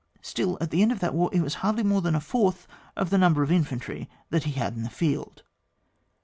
Still at the end of that war it was hardly more than a fourth of the number of infantry that he had in the field.